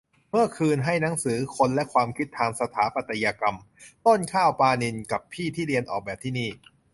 เมื่อคืนให้หนังสือ "คนและความคิดทางสถาปัตยกรรม" ต้นข้าว ปาณินท์ กับพี่ที่เรียนออกแบบที่นี่